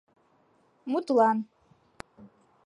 — Мутлан?..